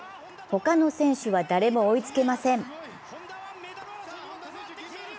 他の選手は誰も追いつけません。